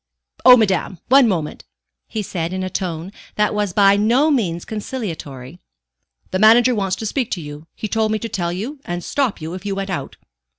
"Oh, madame, one moment," he said in a tone that was by no means conciliatory. "The manager wants to speak to you; he told me to tell you, and stop you if you went out."